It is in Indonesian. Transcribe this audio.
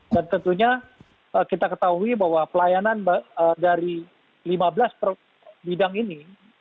dan tentunya kita ketahui bahwa pelayanan dari lima belas bidang ini